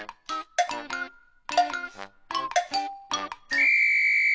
ピッ！